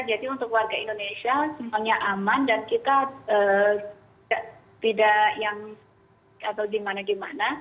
jadi untuk warga indonesia semuanya aman dan kita tidak yang atau gimana gimana